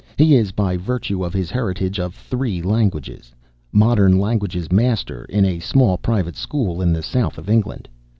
He is, by virtue of his heritage of three languages, Modern Languages Master in a small private school in the south of England.